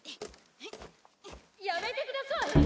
やめてください！